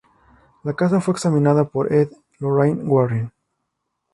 La casa fue examinada por Ed y Lorraine Warren.